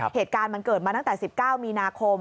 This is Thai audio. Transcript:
เหตุการณ์มันเกิดมาตั้งแต่๑๙มีนาคม